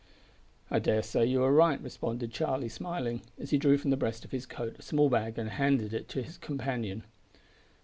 "I dare say you are right," responded Charlie, smiling, as he drew from the breast of his coat a small bag and handed it to his companion.